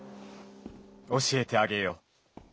教えてあげよう。